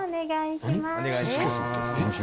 お願いします。